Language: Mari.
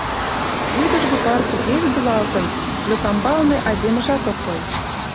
Вӱдыжгӧ пар туге вӱдылалтын — лӧкамбалне айдемыжат ок кой.